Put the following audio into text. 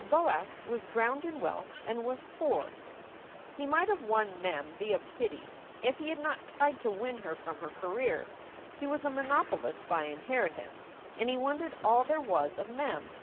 Boas was drowned in wealth and was poor. He might have won Mem via pity, if he had not tried to win her from her career. He was a monopolist by inheritance, and he wanted all there was of Mem.